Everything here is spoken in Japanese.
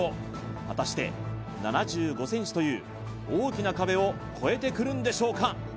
果たして７５ｃｍという大きな壁を越えてくるんでしょうか？